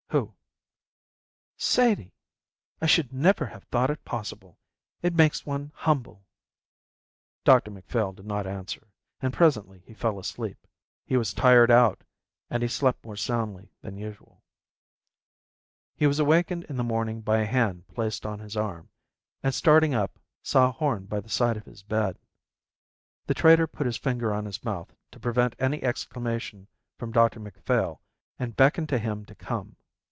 "Who?" "Sadie. I should never have thought it possible. It makes one humble." Dr Macphail did not answer, and presently he fell asleep. He was tired out, and he slept more soundly than usual. He was awakened in the morning by a hand placed on his arm, and, starting up, saw Horn by the side of his bed. The trader put his finger on his mouth to prevent any exclamation from Dr Macphail and beckoned to him to come.